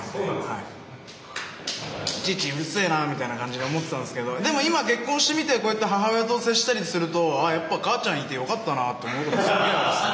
いちいちうるせえなみたいな感じで思ってたんですけどでも今結婚してみてこうやって母親と接したりするとやっぱ母ちゃんいてよかったなと思うことすげえあるっすね。